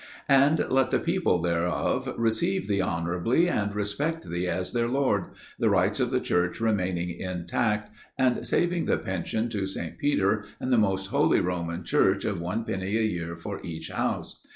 And let the people thereof receive thee honorably, and respect thee as their Lord; the rights of the Church remaining intact, and saving the pension to St. Peter and the most Holy Roman Church of one penny a year for each house.